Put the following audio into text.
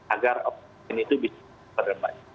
agar oksigen itu bisa diperdebat